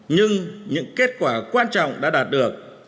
nhưng những kết quả quan trọng đã đạt được